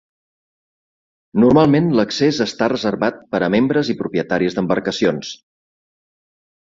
Normalment l'accés està reservat per a membres i propietaris d'embarcacions.